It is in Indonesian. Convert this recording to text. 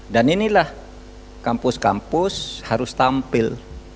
dan inilah kampus kampus harus tampil